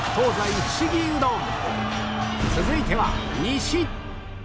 続いては西